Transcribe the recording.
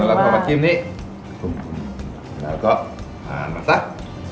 ก็ลองไปมาคีมนี้แล้วก็ทานมาสัก